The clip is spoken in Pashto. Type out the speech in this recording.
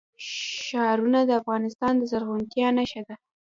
ښارونه د افغانستان د زرغونتیا نښه ده.